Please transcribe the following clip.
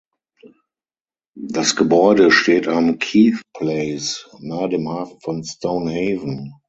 Das Gebäude steht am "Keith Place" nahe dem Hafen von Stonehaven.